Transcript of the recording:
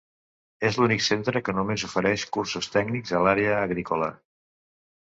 És l'únic centre que només ofereix cursos tècnics a l'àrea agrícola.